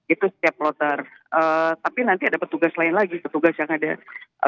itu setiap kloter tapi nanti ada petugas lain lagi petugas yang ada